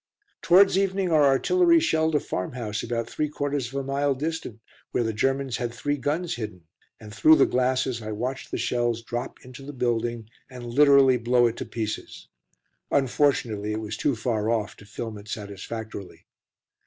Towards evening our artillery shelled a farm house about three quarters of a mile distant, where the Germans had three guns hidden, and through the glasses I watched the shells drop into the building and literally blow it to pieces. Unfortunately, it was too far off to film it satisfactorily.